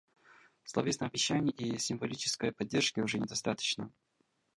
Словесных обещаний и символической поддержки уже недостаточно.